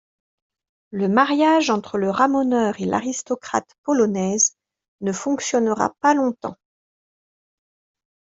Le mariage entre le ramoneur et l'aristocrate polonaise ne fonctionnera pas longtemps.